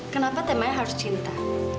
kenapa temennya harus cinta